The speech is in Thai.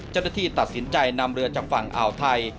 เจ้าหน้าที่ตัดสินใจนำเรือจากฝั่งอ่าวไทย